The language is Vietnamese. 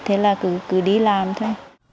thế là cứ đi làm thôi